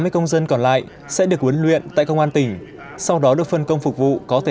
sáu mươi công dân còn lại sẽ được huấn luyện tại công an tỉnh sau đó được phân công phục vụ có thể